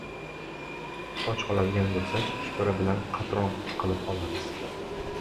Soch oladigan bo‘lsak, ustara bilan qatron qilib olamiz!